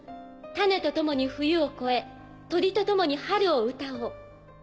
「種とともに冬をこえ鳥とともに春を歌おう」。